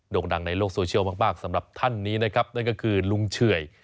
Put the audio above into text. ่งดังในโลกโซเชียลมากสำหรับท่านนี้นะครับนั่นก็คือลุงเฉื่อย